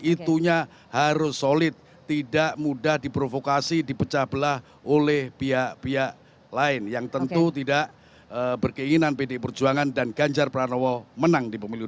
itunya harus solid tidak mudah diprovokasi dipecah belah oleh pihak pihak lain yang tentu tidak berkeinginan pdi perjuangan dan ganjar pranowo menang di pemilu dua ribu sembilan